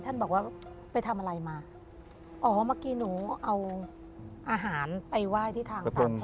บอกว่าไปทำอะไรมาอ๋อเมื่อกี้หนูเอาอาหารไปไหว้ที่ทางสัตว์